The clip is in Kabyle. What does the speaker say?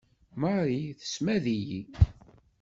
Marie tessmad-iyi.